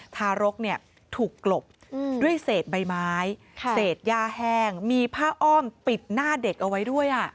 ทารกถูกกลบด้วยเศษใบไม้เศษย่าแห้งมีผ้าอ้อมปิดหน้าเด็กเอาไว้ด้วย